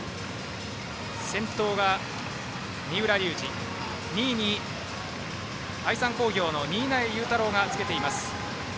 先頭が三浦龍司２位に愛三工業の新家裕太郎がつけています。